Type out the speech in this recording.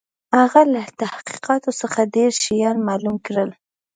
هغه له تحقیقاتو څخه ډېر شيان معلوم کړل.